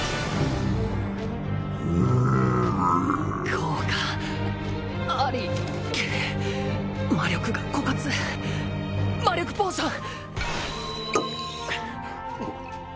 効果あり魔力が枯渇魔力ポーション